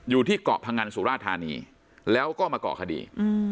อยู่ที่เกาะพงันสุราธานีแล้วก็มาเกาะคดี